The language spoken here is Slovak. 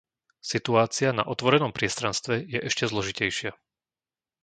Situácia na otvorenom priestranstve je ešte zložitejšia.